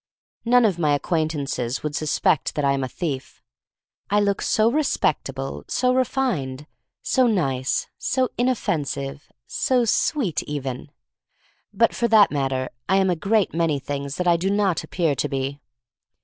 None of my acquaintances would sus pect that I am a thief. I look so re spectable, so refined, so "nice," so inoffensive, so sweet, even! But, for that matter, I am a great many things that I do not appear to be.